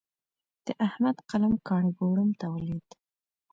د احمد قلم کاڼی کوړم ته ولوېد.